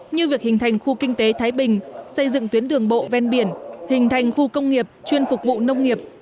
như việc hình thành khu kinh tế thái bình xây dựng tuyến đường bộ ven biển hình thành khu công nghiệp chuyên phục vụ nông nghiệp